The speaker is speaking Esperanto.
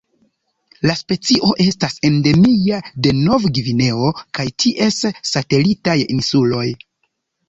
La specio estas endemia de Nov-Gvineo kaj ties satelitaj insuloj.